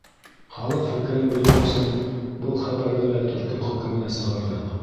Халыҡ фекерен белер өсөн был хәбәрҙе лә төркөм хөкөмөнә сығарҙыҡ.